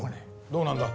どうなんだ？